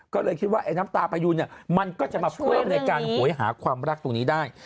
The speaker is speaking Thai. ก็เลยคิดว่าไอ้น้ำตาพยูนเนี่ยมันก็จะมาเพิ่มในการโหยหาความรักตรงนี้ได้